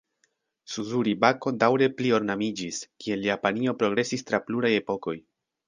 Suzuri-bako daŭre pli-ornamiĝis, kiel Japanio progresis tra pluraj epokoj.